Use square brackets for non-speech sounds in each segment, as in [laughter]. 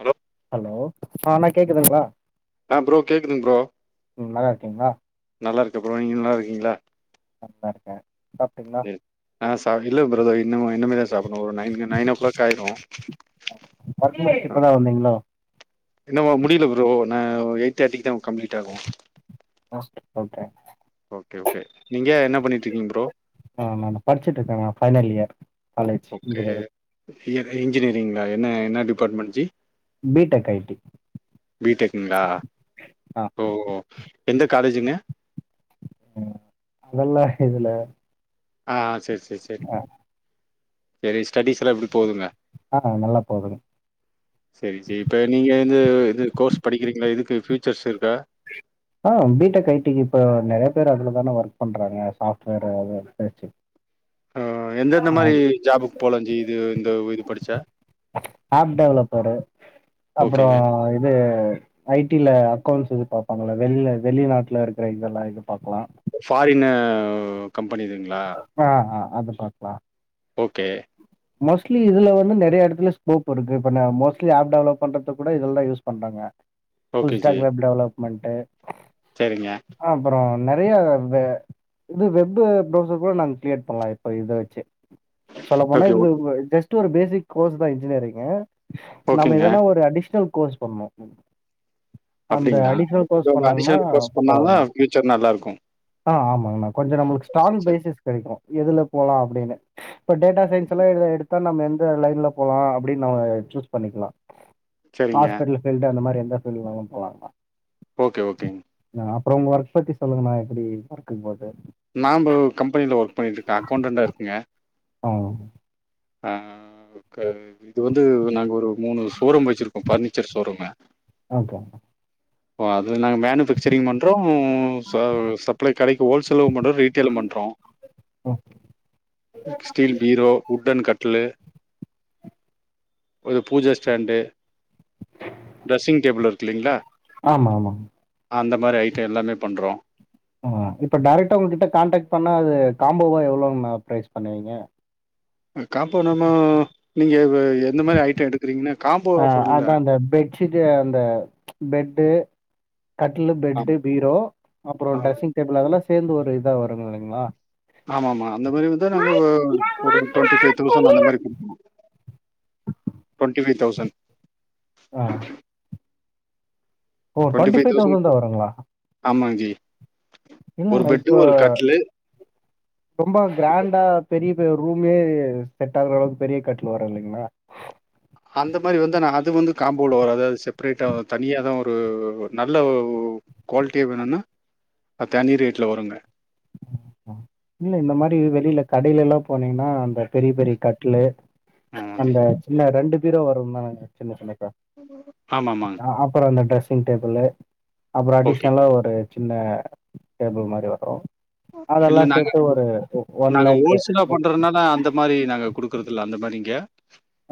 Hello hello ஆ அண்ணா கேக்குதுங்களா ஆ ப்ரோ கேக்குதுங் ப்ரோ ம் நல்லா இருக்கீங்ளா நல்லா இருக்க ப்ரோ நீங்க நல்லா இருக்கீங்களா நல்லா இர்க்கே சாப்டிங்ளா சரி. ஆ சா இல்ல பிரதர் இன்னமு இன்னமேதா சாப்பட்ணு ஒரு நைன்னு நைன் ஓ கிளாக் ஆயிடு ஒர்க் முடிச்சுட்டு இப்பதா வந்தீங்ளோ இன்னமு முடியல ப்ரோ நா எயிட் தேர்டிக்கு தா கம்ப்ளீட் ஆகு ஆஸ்பிட் போன்ட்ற ஓகே ஓகே நீங்க என்ன பண்ணிட்ருக்கீங் ப்ரோ ஆமா ஆமா படிச்சிட்டு இருக்க நா final year college okay engineering நீ க இன்ஜினியரிங்லா என்ன என்ன department G B tech I T B டெக்குங்ளா ஆ ஓ ஓ எந்த காலேஜிங்க ம் சொல்லா இதுல ஆ ஆ செரி செரி செரி ஆ செரி ஸ்டடிஸ்லா எப்டி போதுங்க ஆ நல்லா போதுங் செரி ஜி இப்ப நீங்க இது இது கோர்ஸ் படிக்கிறீங்கலே இதுக்கு ஃப்யூச்சர்ஸ் இருக்கா ஆ பி டெக் ஐடிக்கு இப்ப நெறைய பேர் அதுலதானா ஒர்க் பண்றாங்க சாஃப்ட்வேர் அ [unintelligible] ஆ எந்தெந்த மாரி ஜாபுக்கு போலா ஜி இது இந்த இது படிச்சா ஆப் டெவலப்பரு அப்பறோ ஓகேங்க. இது ஐ டில அக்கௌண்ட்ஸ் இது பாப்பாங்கள வெள்ல வெளிநாட்ல இருக்கற இதெல்லா இது பாக்கலா ஃபாரினு வ் கம்பெனிதுங்ளா ஆ ஆ அது மார் தா ஓகே மோஸ்ட்லி இதுல வந்து நெறைய எடத்துல ஸ்ஹோப் இருக்கு இப்ப ம மோஸ்ட்லி ஆப் டெவலப் பண்றது கூட இதுல தா யூஸ் பண்றாங்க உ [unintelligible] ஃபுல் ஸ்டாக் வெப் டெவலப்மன்ட்டு சேரிங்க அ அப்பறோ நறைய வெபு இது வெபு ப்ரௌசர் கூட நாங்க கிரியட் பண்லா இப்ப இத வச்சு சொல்ல போனா ஓகே, இந்த ஓகே. இந்த ஜஸ்ட் ஒரு பேசிக் கோர்ஸ் தா இஞ்ஜினேரிங்கு நம்ம ஓகேங்க. எதனா ஒரு அடிஷ்னல் கோர்ஸ் பண்ணு அந்த அப்டிங்களா? அடிஷ்னல் கோர்ஸ் பண்ணோன்னா அடிஷனல் கோர்ஸ் பண்ணா தான் போதுங்கண்ணா ஃபியூச்சர் நல்லாருக்கும். ஆ ஆமாங் அண்ணா கொஞ்ச நம்மளுக்கு சரி, ஸ்ட்ராங் சரி, சரி. பேசிஸ் கெடைக்கு எதுல போலா அப்டின்னு இப்ப டேட்டா சயின்ஸ் லா இதுல எடுத்தா நம்ம எந்த லைன்ல போலா அப்டின் நாம சூஸ் பண்ணிக்லா சரிங்க. ஹாஸ்பிட்டல் ஃபீல்டு அந்த மாரி எந்த ஃபீல்டுனாலு போலாங்ண்ணா ஓகே ஓகேங் ஆ அப்றோ உங்க ஒர்க் பத்தி சொல்லுங்ணா எப்டி ஒர்க்கு போது நாம்போ கம்பெனில ஒர்க் பண்ணிட்ருக்க அகௌண்டண்டா இருக்கேங்க ஓ ஆ க இது வந்து நாங்க ஒரு மூணு ஷோரூம் வெச்சிருக்கோ ஃபர்னிச்சர் ஷோருமூ ஓகேண்ணா ஒ அது நாங்க மேனுஃபேக்சரிங் பண்றோ ச சப்ளே கடைக்கு ஹோல்சேலு பண்றோ ரீட்டேலு பண்றோ ஒ க்ஸ்டீல் பீரோ உட்டன் கட்லு ஒரு பூஜ ஸ்டாண்டு ட்ரஸ்ஸிங் டேபுல் இருக்குல்லிங்ளா ஆமா ஆமா அந்த மாரி ஐட்டோ எல்லாமே பண்றோ ஆ இப்ப டேரெக்டா உங்ககிட்ட கான்டெக்ட் பண்ணா அது காம்போவா எவ்ளோ மா ப்ரைஸ் பண்ணுவீங்க காம்போ நம்மோ நீங்க எந்த மாரி ஐட்டே எடுக்கிறீங்கனு காம்போ ஆஃபர் இல்ல பெச்சிட்டு அந்த பெட்டு கட்லு ஆம் பெட்டு பீரோ அப்றோ ஆம். ட்ரெஸிங் டேபிலு அதெலா சேந்து ஒரு இதா வருங்க இல்லைங்களா ஆமா ஆமா அந்த மாரி வந்து நாங்க ஒரு டொண்ட்டி ஃபை தவுசண்ட் அந்த மாரி குடுக்கலா டொண்டி ஃபை தவுசண் ஆ ஓ twenty twenty five five thousand தவுசண்க்கு தான் வருங்களா ஆமாங் ஜி ஒரு பெட்டு ஒரு கட்லு ரொம்பே கிராண்டா பெரிய ஒரு ரூமே செட் ஆகுற அளவுக்கு பெரிய கட்லு வரு இல்லைங்களா அந்த மாரி வந்து நா அது வந்து காம்போல வராது அது செப்பரேட்டா தனியாதா ஒரு நல்ல ஒ குவால்டியா வேணுனா அது தனி ரேட்ல வருங்க இல்ல இந்த மாரி வெளியில கடைலலா போனீங்கனா அந்த பெரிய பெரிய ம் கட்லு ஆமாங் ஜி அந்த சின்ன ரெண்டு பீரோ வரும்ல சின்ன சின்னதா ஆமா ஆமா அ அப்றோ அந்த ட்ரஸிங் டேபுளு அப்றோ ஓகே அடிஷ்னலா ஒரு சின்ன டேபிள் மாரி வரு இல்ல அதெல்லா நாங்க சேத்து ஒரு ஒன் நாங்க லேக்கு ஓல்சேலா பண்றதனால அந்த மாரி நாங்க குடுக்குறது இல்ல அந்த மாரிங்க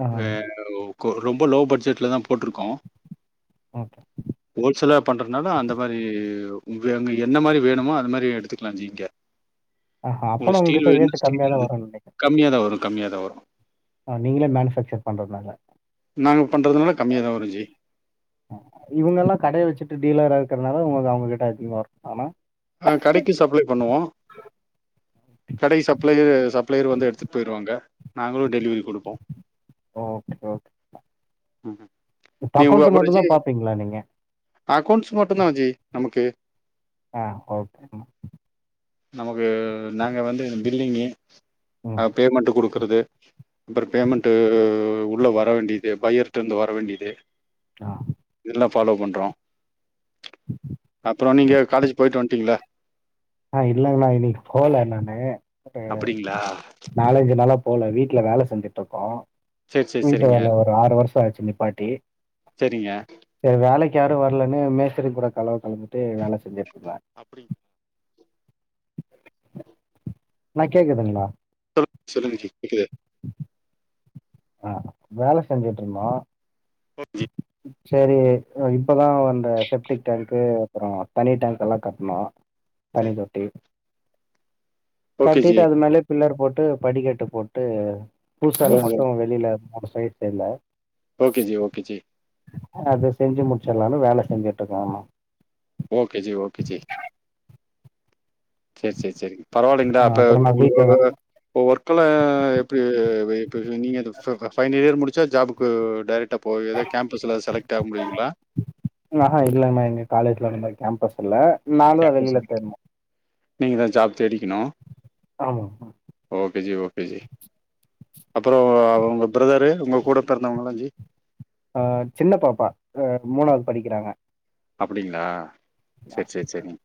ஆ வ கொ ரொம்ப லோ பட்ஜெட்ல தா போட்ருக்கோ ஓகே ஹோல்சேல பண்றதுனால அந்த மாரி உங்கு அங்கு என்ன மாரி வேணுமோ அந்த மாரி எடுத்துக்லா ஜி இங்க ஆஹ அப்பனா உங்க கிட்ட ரேட்டு கம்மியா தா வருன்னு நெனைக்கிறே கம்மியாதா வரு கம்மியாதா வரு ஆ நீங்களே மேனுஃபேக்சர் பண்றதுனால நாங்க பண்றதுனால கம்மியாதா வருன் ஜி அ இவுங்கல்லா கடைய வெச்சிட்டு டீலரா இருக்கற்தனால உங்க அவுங்ககிட்ட அதிகமா வருமானா ஆ கடைக்கு சப்ளே பண்ணுவோ கடை சப்ளேயர் சப்ளேயர் வந்து எடுத்துட் போயிருவாங்க நாங்களு டெலிவரி குடுப்போ ஓகே ஓகே இப்ப அகௌண்ட் மட்டுந்தா பாப்பீங்களா நீங்க அக்கோண்ட்ஸ் மட்டுந்தா ஜி நமக்கு ஆ ஓகே ம் நமக்கு நாங்க வந்து இது பில்டிங்கு அ ம் பேமண்ட்டு குடுக்குறது அப்றோ பேமண்ட்டு உள்ள வர வேண்டியது பய்யர் ட்ருந்து வர வேண்டியது அ இதலா ஃபாலோ பண்றோ அப்புறோ நீங்க காலேஜ் போயிட்டு வந்துட்டீங்களா ஆ இல்லலைங்கண்ணா இன்னைக்கு போல நானு அப்டிங்களா நாலஞ்சு நாளா போல வீட்ல வேல செஞ்சுட்டு இருக்கோ சேரி சேரி வீட்டு சேரிங்க வேல ஒரு ஆறு வருஷோ ஆச்சு நிப்பாட்டி செரிங்க செரி வேலைக்கு யாரு வரலனு மேஸ்தரி கூட கலவ கலந்துட்டு வேல செஞ்சிட்ருந்த அப்டி ணா கேக்குதுங்ளா சொல் சொல்லுங்கஜி கேக்குது [unintelligible] ஆ வேல செஞ்சிட்ருந்தோ ஓக் ஜி செரீ இப்பதா அந்த செப்டிக் டேங்க்கு அப்பறோ தனி டேங்க்கெலா கட்னோ தனி சேரி தொட்டி ஓகே ஜி கட்டிட்டு அது மேலயே பில்லரு போட்டு படிக்கட்டு போட்டு ஓ பூசுவேல ஓ மட்டு வெ இல்லைல்ல மூனு சைட்ல இல்ல ஓகே ஜி ஓகே ஜி அது செஞ்சி முடிச்சிட்லானு வேல செஞ்சிட்ருக்கோம்ன ஓகே ஜி ஓகே ஜி செரி செரி செரி பரவால்ல இந்த ஆ ஆப்ப அப்புறோ நா வீட்லதா [unintelligible] ஒர்க்குல எப்டி வெய்ப்பு நீங்க இதுக் சரிதா ஃபைனல் இயர் முடிச்சா ஜாபுக் பு டேரக்டா போய் எதா கேம்ப்பஸ்ல செலக்ட் ஆக முடியுங்ளா ஆஹா இல்லம்மே எங்க காலேஜ்ல அந்த மாரி கேம்பஸ் இல்ல நானுந்தா கேம்பஸ் வெளில தேட்னு. நீங்கதா ஜாப் தேடிக்கணு ஆமா ஓகே ஜி ஓகே ஜி அப்பறோ ஒங்க பிரதரு ஒங்க கூடப் பெறந்தவங்களா ஜி ஆ சின்ன பாப்பா க மூணாவது படிக்கிறாங்க அப்படிங்ளா செரி செரி செரிங்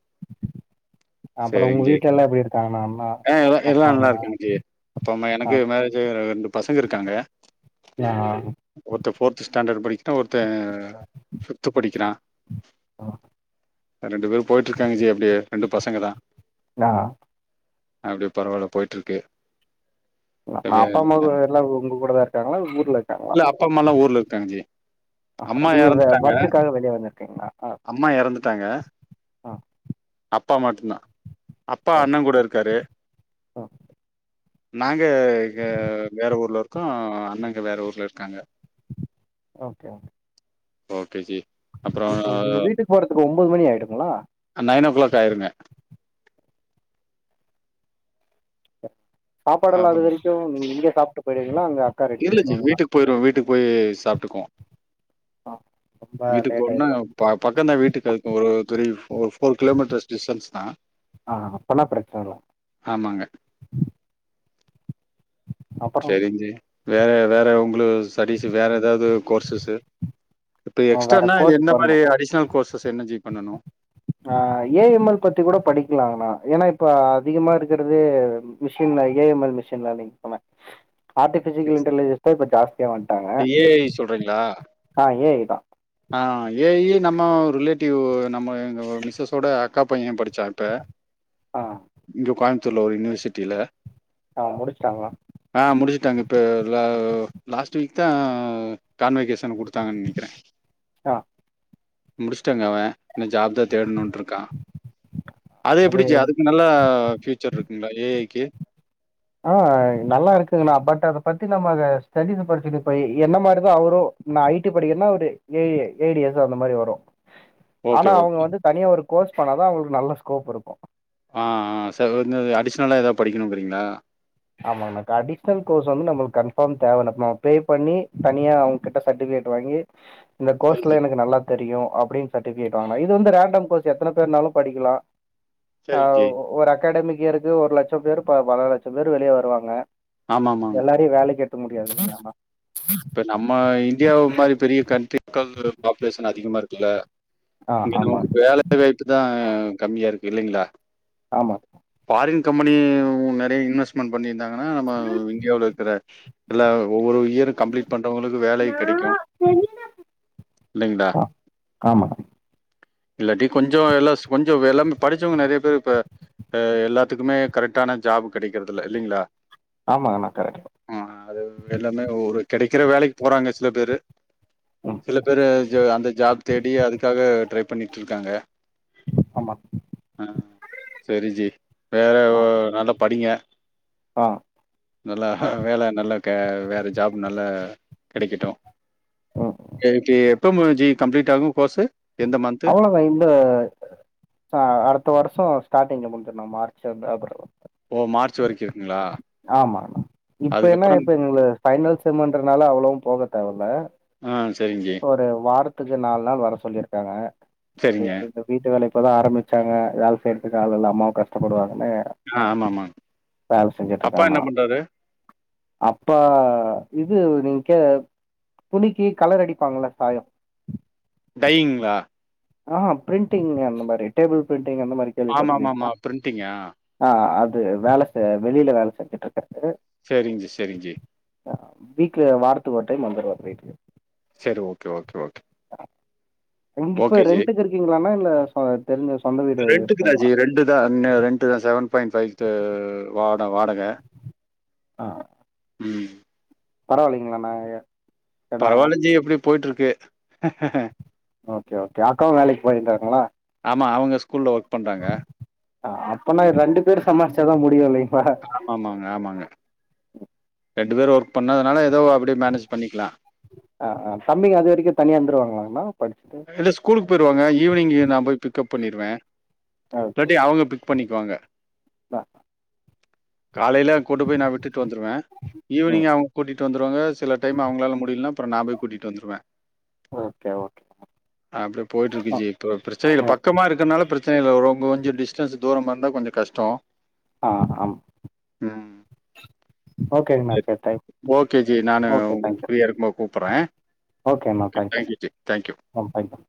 அப்புறோ உங்க செரிங் ஜி வீட்ல எல்லா எப்டி இருக்காங்கண்ணா அண்ணா ஆ எலா எல்லா அப்பா அம்மா நல்லாருக்காங்க ஜி அப்பாம்மா ஆ எனக்கு மேரேஜாயி ரெண்டு பசங்க இருக்காங்க யா ஒருத்த ஃபோர்த்து ஸ்டாண்டர்ட் படிக்கிறா ஒருத்த ஃபிஃப்த்து படிக்கிறா ஆ ரெண்டு பேரு போய்ட்ருக்காங்க ஜி அப்டியே ரெண்டு பசங்க தா நா அப்டி பரவால்ல போயிட்ருக்கு நா அப்பாம்மா கூட எல்லா உ உங்க கூட தா இருக்காங்களா ஊர்ல இருக்காங்களா இல்ல அப்பா, அம்மாலாம் ஊர்ல இருக்காங்க ஜி. அம்மா நீங்க வ எறந்துட்டாங்க. ஒர்க்குக்காக வெளிய வந்துருக்கீங்ளா அம்மா எறந்துட்டாங்க அப்பா மட்டுந்தா அப்பா சரி அண்ணங்கூட இருக்காரு ஆ நாங்க இங்க வேற ஊர்ல இருக்கோ அண்ணங்க வேற ஊர்ல இருக்காங்க ஓகே ஓகே ஜி அப்புறம் இப்போ வி வீட்டுக் போறதுக்கு ஒம்போது மணி ஆயிடுங்களா நைனோ கிளாக் ஆயிருங்க சாப்பாடல்லா அப்புறம் அதுவரைக்கு நீங் இங்க சாப்ட்டு பொயிடுவிங்களா அங்க ரெடி பண்ணிருவாங்களா பொயிருவோ வீட்டுக் போயி சாப்டுக்குவோ ஆ ரொம்ப வீட்டுக்கு லேட் போன்னா ஆயிடு ப பக்கந்தா வீட்டுக்கு அதுக்கு ஒரு three four four kilometres distance தா அ அப்பன்னா பிரச்சனல்ல ஆமாங்க அப்புறோ செரிங் ஜீ வேற வேற உங்களு ஸ்டடிசு வேற எதாவ்து கோர்ஸ்ஸஸு இப்போ வேற எக்ஸ்ட்டர்னா கோர்ஸ் என்ன மாரி பண்ணு அடிஷ்னல் கோர்சஸ் என்ன ஜீ பண்ணனு அ ஏ எம் எல் பத்தி கூட படிக்கலாங்ண்ணா ஏனா இப்ப அதிகமா இருக்கறது மிஷின்ல A M L machine learning தான ஆர்டிஃபிஷிக்கல் இன்ட்டலிஜன்ஸ் தா இப்ப ஜாஸ்தியா வந்ட்டாங்க ஏ ஐ அ ஏ ஐ தா அ ஏ ஐ நம்ம ரிலேட்டீவு நம்ம எங்க மிஸ்ஸஸோட அக்கா பைய படிச்சா இப்ப ஆ இங்க கோயம்த்தூர்ல ஒரு யூனிவர்சிட்டில அ முடிச்ட்டாங்ளா அ முடிச்ட்டாங்க இப்ப ல லாஸ்ட் வீக் தா கான்வகேஷன் குடுத்தாங்கன் நெனைக்கிற ஆ முடிஷ்ட்டாங்க அவ இன்னு ஜாப்தா தேடணுன்ட்ருக்கா அது எப்பிடி ஜீ அது நல்ல ஃப்யூச்சர்ருக்குங்ளா ஏ ஐ க்கு அ நல்லா இருக்குங்கண்ணா பட் அத பத்தி நம்ம அத ஸ்டடினு படிச்சிட்டு ஃபை என்ன மாரிதா அவரு நா ஐ டி படிக்கறன்னா அவுரு A I, A D S அந்த மாரி வரு ஓகே, ஆனா அவுங்க ஓகே. வந்து தனியா ஒரு கோர்ஸ் பண்ணாதா அவுங்களுக்கு நல்ல ஸ்கோப் இருக்கு அ அ சர் இவுங்க அடிஷ்னலா எதா படிக்கணுங்கிறீங்ளா ஆமாங்ண்ணா க அடிஷ்னல் கோர்ஸ் வந்து நம்மள்க் கன்ஃபாம் தேவ நம்ம பே பண்ணி தனியா அவுங்கிட்ட சட்டிஃபிகேட்டு வாங்கி இந்த சரி கோர்ஸ்ல ஜி, எனக்கு நல்லா தெரியு அப்டின் சட்டிஃபிகேட் வாங்கணு இது வந்து ரேண்டம் கோர்ஸ் எத்தன பேர்னாலு படிக்கலா அ சரிங்க ஜி. ஒரு அகாடமிக் இயருக்கு ஒரு லட்சம் பேரு ப பல லட்சம் பேரு வெளிய வருவாங்க ஆமா, ஆமாங்க. எல்லாரயு வேலைக்கு எட்த்துக்க முடியாதில்லயாண்ணா இப்ப நம்ம இந்தியாவு மாரி பெரிய கண்ட்ரிக்கல் பாப்புலேஷன் அதிகமா இருக்குல்ல ஆ இங்க நமக்கு ஆமாங்க வேலை வாய்ப்புதா கம்மியா இருக்கு இல்லைங்ளா ஆமா ஃபாரின் கம்பெனி உ நெறைய இன்வெஸ்ட்மென்ட் பண்ணீர்ந்தாங்கனா நம்ம இந்தியாவுலிருக்கற இல்ல ஒவ்வொரு இயரு கம்ப்ளீட் பண்றவங்களுக்கு வேலை கெடைக்கு இல்லைங்ளா ஆ ஆமாங்க இல்லாட்டி கொஞ்சோ எல்லாஸ் கொஞ்சோ எல்லாமே படிச்சவ்ங்க நெறைய பேரு இப்ப அ எல்லாத்துக்குமே கரெட்டான ஜாபு கெடைக்கறதில்ல இல்லிங்ளா ஆமாங்கண்ணா கரெட்டு தா ஆமா அது எல்லாமே ஒரு கெடைக்கிற வேலைக் போறாங்க சில பேரு ம் சில பேரு ஜு அந்த ஜாப் தேடி அதுக்காக ட்ரை பண்ணீட்ருக்காங்க ஆமாங் ஆ செரி ஜீ வேற ஆ நல்லா படிங்க ஆ நல்லா வேல நல்லா க வேற ஜாப் நல்லா கெடைக்கட்டு ம் எனக்கி எப்ப மோ ஜீ கம்ப்ளீட் ஆகு கோர்ஸு எந்த மந்த்து? அவளோதா இந்த ச அடுத்த வருஷோ ஸ்டாட்டிங்ல முடிஞ்சுருண்ணா மார்ச்சு ப் ஏப்பரல் ஓ மார்ச் வரைக் இருக் ஆமாம்மா இப்ப என்னா அதுக்கப்புறம் இப்ப எங்ளுக் பைனல் செம்முன்றதுனால அவ்ளோவு போக தேவல்ல ஆ சரிங்க ஜி. ஒரு வாரத்துக்கு நால் நாள் வர சொல்லியிருக்காங்க சரிங்க. கைஸ் இப்ப வீட்டு வேல இப்பதா ஆரம்பிச்சாங்க வேல செய்றதுக்கு ஆள் இல்லாம அவ கஷ்டப்படுவாங்கனு ஆ ஆமாமா. வேல அப்பா என்ன செஞ்சிட்ருக்காங்னா பண்றாரு? அப்பா இது நீங்க துணிக்கு கலர் அடிப்பாங்ள்ல சாயோ டைய்யிங்ளா ஆஆ பிரிண்டிங் அந்த மாரி டேபிள் பிரிண்டிங் அந்த மாரி ஆமாமாமா. கேள்விப்பட்ருக்கீங்ளா பிரிண்டிங்கா? ஆ அது வேல செய்ய வெளில வேல செஞ்சுட்டு இருக்காரு சேரிங் ஜி சேரிங் ஜி அ வீக்ல வாரத்துக்கு ஒரு டைம் வந்துருவாரு வீட்டுக்கு செரி ஓகே ஓகே ஓகே எங்க இப்ப ஓகே ஜி. ரென்ட்டுக்கு இருக்கீங்ளானா இல்ல சொ தெரிஞ்ச சொந்த வீட் ரென்ட்டுக்கு தா ஜி ரென்ட்டு தா இன்ன ரென்ட்டு தா செவன் பாயிண்ட் ஃபைவ்க்கு வாட வாடக ஆ ம் பரவாயில்லேங்ளானா ஏ பரவாயில்ல ஜி எப்டியோ போய்ட்டு இருக்கு ஓகே ஓகே அக்காவு வேலைக்கு போயிட்டுருங்களா ஆமா அவுங்க ஸ்கூல்ல ஒர்க் பண்றாங்க ஆ அப்பனா ரெண்டு பேரு சம்மாருச்சாதா முடியு லைஃப்ப ஆமாம்மாங்க ஆமாங்க ரெண்டு பேரு ஒர்க் பண்ணதுனால ஏதோ அப்டி மேனேஜ் பண்ணிக்லா ஆ ஆ தம்பிக அது வரைக்கு தனியா இருந்துருவாங்ளாங்ணா படிச்ட்டு இல்ல ஸ்கூலுக்கு போயிருவாங்க ஈவினிங் நா போய் பிக்கப் பண்ணிருவே ஓகே. இல்லாட்டி அவங்க பிக் பண்ணிக்குவாங்க காலையில கூட்டு போய் நா விட்டுட்டு வந்துருவே ம் ஈவினிங் அவுங்க கூட்டிட்டு வந்துருவாங்க சில டைம் அவுங்களால முடிலனா அப்றோ நா போய் கூட்டிட் வந்துருவே ஓகே ஓகே அப்டியே போயிட்டுருக்கு ஆ ஜி இப்போ பிரச்சன இல்ல பக்கமா இருக்கறனால பிரச்சன இல்ல ரொம்ப கொஞ்சோ டிஸ்டன்ஸூ தூரமா இருந்தா கொஞ்ச கஷ்டோ ஆ ஆமா ம் ஓகேங்கண்ணா இல்ல ஜி சரி தேங்க் ஓகே ஜி நானு ஒங்ளுக்கு ஃப்ரீயா இருக்குபோது கூப்புறே ஓகேண்ணா தேங்க்யூ ம் தேங்க்யூ